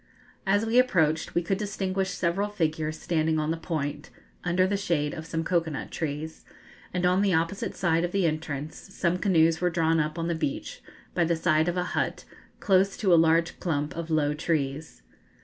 As we approached we could distinguish several figures standing on the point, under the shade of some cocoa nut trees, and on the opposite side of the entrance some canoes were drawn up on the beach, by the side of a hut, close to a large clump of low trees.